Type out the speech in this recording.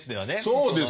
そうですよ。